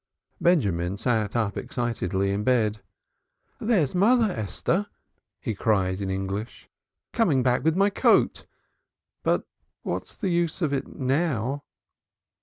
Benjamin sat up excitedly in bed: "There's mother, Esther!" he cried in English. "Coming back with my coat. But what's the use of it now?"